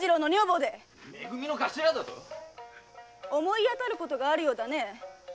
め組の頭だと⁉思い当たることがあるようだね。